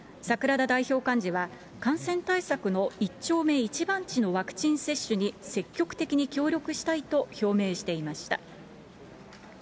櫻田代表幹事は、感染対策の一丁目一番地のワクチン接種に積極的に協力したいと表明していました。